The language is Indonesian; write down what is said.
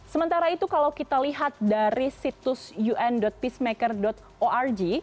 sementara itu kalau kita lihat dari situs un pismaker org